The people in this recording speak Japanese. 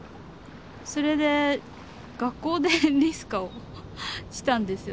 それで学校でリスカをしたんですよ。